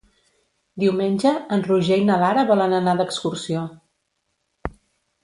Diumenge en Roger i na Lara volen anar d'excursió.